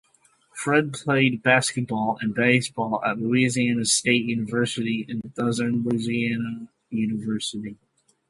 Fred played basketball and baseball at Louisiana State University and Southeastern Louisiana University.